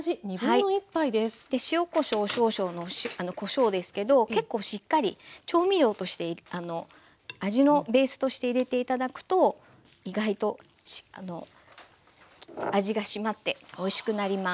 塩・こしょう少々のこしょうですけど結構しっかり調味料として味のベースとして入れて頂くと意外と味が締まっておいしくなります。